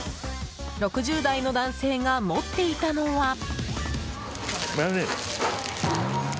６０代の男性が持っていたのは。